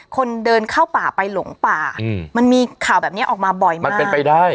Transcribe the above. คนเดินเข้าป่าไปหลงป่าอืมมันมีข่าวแบบนี้ออกมาบ่อยมากมันเป็นไปได้